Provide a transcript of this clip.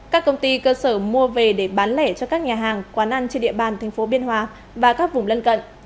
các công ty cơ sở mua về để bán lẻ cho các nhà hàng quán ăn trên địa bàn thành phố biên hòa và các vùng lân cận